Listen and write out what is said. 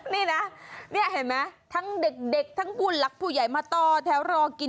เนี่ยเห็นไหมทั้งเด็กทั้งกุญลักษณ์ผู้ใหญ่มาต่อแถวรอกิน